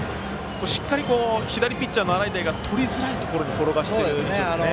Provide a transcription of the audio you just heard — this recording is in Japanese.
しっかり左ピッチャーの洗平がとりづらいところに転がしている印象ですね。